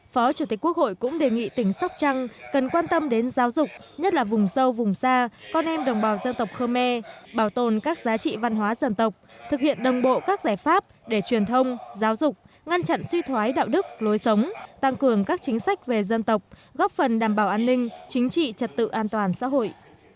phó chủ tịch quốc hội cũng đề nghị tỉnh sóc trăng cần quan tâm đến giáo dục nhất là vùng sâu vùng xa con em đồng bào dân tộc khmer bảo tồn các giá trị văn hóa dân tộc thực hiện đồng bộ các giải pháp để truyền thông giáo dục ngăn chặn suy thoái đạo đức lối sống tăng cường các chính sách về dân tộc góp phần đảm bảo an ninh chính trị trật tự an toàn xã hội